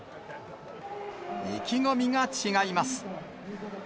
意気込みが違います。